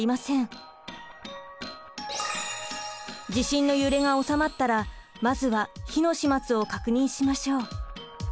地震の揺れがおさまったらまずは火の始末を確認しましょう。